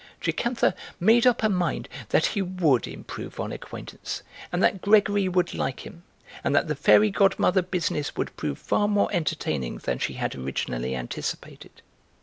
Jocantha made up her mind that he would improve on acquaintance, and that Gregory would like him, and that the Fairy Godmother business would prove far more entertaining than she had originally anticipated.